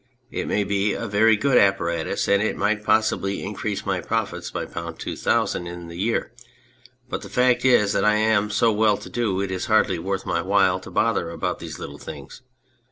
It may be a very good apparatus, and it might possibly increase my profits by 2000 in the year, but the fact is that I am so well to do it is hardly worth my while to bother about these little things.